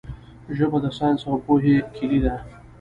ژبه د ساینس او پوهې کیلي ده.